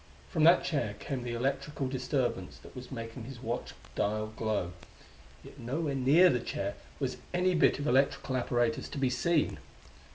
From that chair came the electrical disturbance that was making his watch dial glow yet nowhere near the chair was any bit of electrical apparatus to be seen.